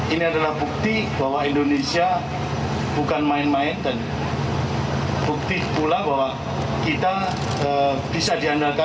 ini adalah bukti bahwa indonesia bukan main main dan bukti pula bahwa kita bisa diandalkan